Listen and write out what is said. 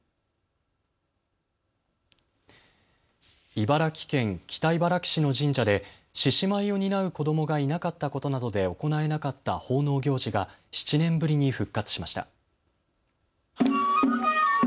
茨城県北茨城市の神社で獅子舞を担う子どもがいなかったことなどで行えなかった奉納行事が７年ぶりに復活しました。